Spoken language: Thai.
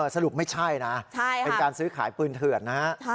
สรุปไม่ใช่นะเป็นการซื้อขายปืนเถื่อนนะฮะ